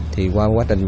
thì qua quá trình